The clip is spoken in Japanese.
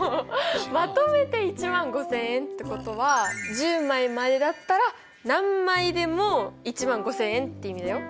まとめて１５０００円ってことは１０枚までだったら何枚でも１５０００円っていう意味だよ。